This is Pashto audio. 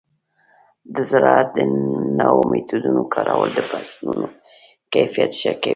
د زراعت د نوو میتودونو کارول د فصلونو کیفیت ښه کوي.